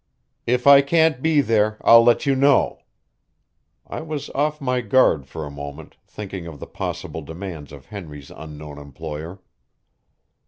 "If I can't be there, I'll let you know." I was off my guard for a moment, thinking of the possible demands of Henry's unknown employer.